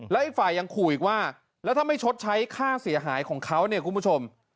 แล้วอีกฝ่ายยังขู่อีกว่าแล้วถ้าไม่ชดใช้ค่าเสียหายของเขาเนี่ยคุณผู้ชม